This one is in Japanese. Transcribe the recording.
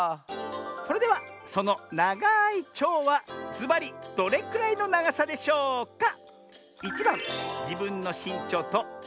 それではそのながいちょうはずばりどれくらいのながさでしょうか？